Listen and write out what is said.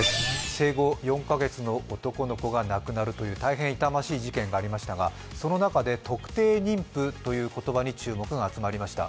生後４カ月の男の子が亡くなるという、大変痛ましい事件がありましたがその中で特定妊婦という言葉に注目が集まりました。